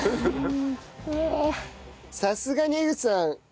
さすがに江口さん